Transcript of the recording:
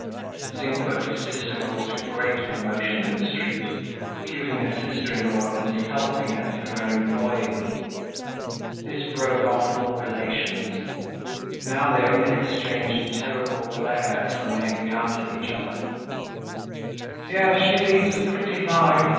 The zinc worker's sister caused a great commotion in the street, accusing her sister in law of insulting her through her employees. This broke off all relations. Now they only exchanged terrible glares when they encountered each other. "Yes, she leads a pretty life!"